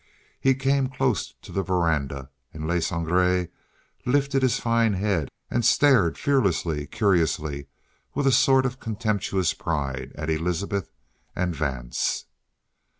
He came close to the veranda, and Le Sangre lifted his fine head and stared fearlessly, curiously, with a sort of contemptuous pride, at Elizabeth and Vance.